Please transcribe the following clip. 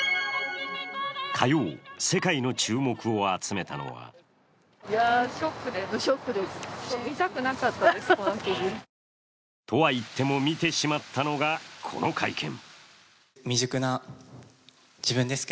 火曜、世界の注目を集めたのはとはいっても見てしまったのが、この会見。